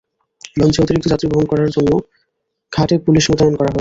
লঞ্চে অতিরিক্ত যাত্রী বহন বন্ধ করার জন্য ঘাটে পুলিশ মোতায়েন করা হয়েছে।